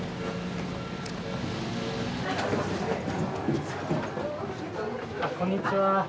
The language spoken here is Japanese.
あっこんにちは。